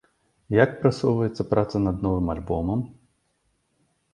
Як прасоўваецца праца над новым альбомам?